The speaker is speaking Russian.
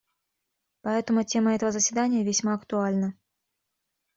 Поэтому тема этого заседания весьма актуальна.